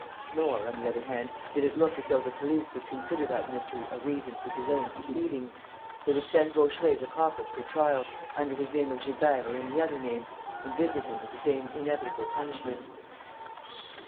Nor, on the other hand, did it look as though the police would consider that mystery a reason for delaying proceedings. They would send Vaucheray's accomplice for trial under his name of Gilbert or any other name and visit him with the same inevitable punishment.